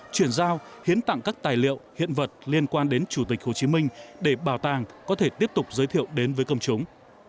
chuyển giao hiến tặng các tài liệu hiện vật liên quan đến chủ tịch hồ chí minh để bảo tàng có thể tiếp tục giới thiệu đến với công chúng